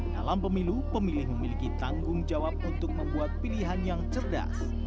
dalam pemilu pemilih memiliki tanggung jawab untuk membuat pilihan yang cerdas